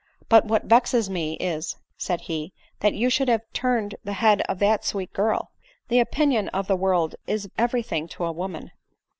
" But what vexes me is," said he, " that you should have turn ed the head of that sweet girl. The opinion of the world is every thing to a woman."